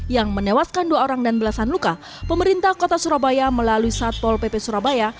yang menewaskan dua orang dan belasan luka pemerintah kota surabaya melalui satpol pp surabaya